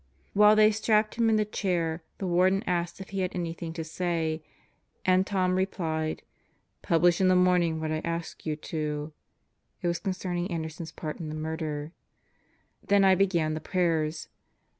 While they strapped him in the chair, the Warden asked him if he had anything to say, and Tom replied: "Publish in the morning what I asked you to." (It was concerning Anderson's part in the murder.) Then I began the prayers.